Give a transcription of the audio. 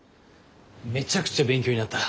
めちゃくちゃ勉強になった。